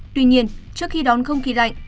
tuy nhiên trước khi đón không khí lạnh